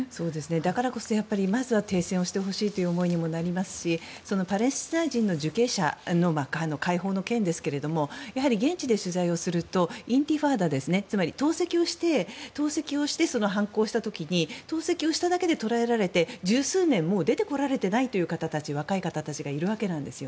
だからこそ、まずは停戦してほしいという思いにもなりますしパレスチナ人の受刑者の解放の件ですがやはり現地で取材をするとインティファーダつまり投石をして反抗した時に投石をしただけで捕らえられて十数年、出てこられていない若い方たちがいるわけなんです。